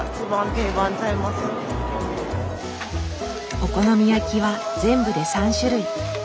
お好み焼きは全部で３種類。